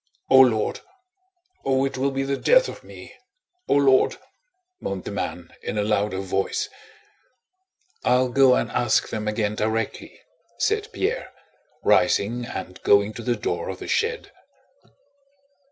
"O Lord! Oh, it will be the death of me! O Lord!" moaned the man in a louder voice. "I'll go and ask them again directly," said Pierre, rising and going to the door of the shed.